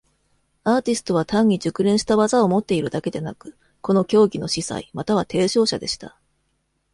アーティストは単に熟練した技を持っているだけでなく、この教義の司祭または提唱者でした。